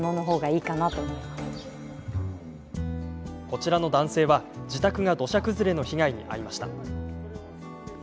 こちらの男性は、自宅が土砂崩れの被害に遭いました。